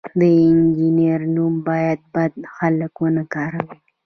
د انجینر نوم باید بد خلک ونه کاروي.